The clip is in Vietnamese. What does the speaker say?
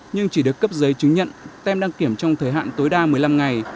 nhưng chỉ được cấp giấy chứng nhận tem đăng kiểm trong thời hạn tối đa một mươi năm ngày